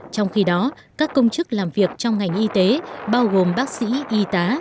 trong khi đó các công chức làm việc trong ngành y tế bao gồm bác sĩ y tá